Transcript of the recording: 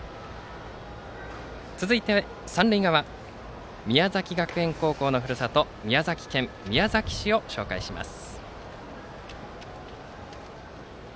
続いて三塁側宮崎学園高校のふるさと宮崎県宮崎市を紹介します。